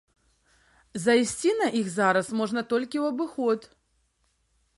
Зайсці на іх зараз можна толькі ў абыход.